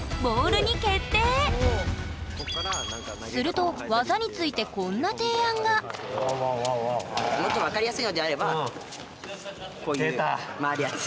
すると技についてこんな提案がもっと分かりやすいのであればこういう回るやつ。